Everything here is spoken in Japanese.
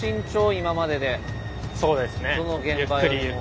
今まででどの現場よりも。